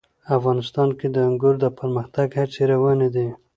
افغانستان کې د انګور د پرمختګ هڅې روانې دي.